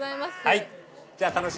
はい！